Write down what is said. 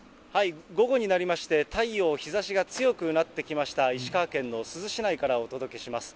午後になりまして、太陽、日ざしが強くなってきました、石川県の珠洲市内からお届けします。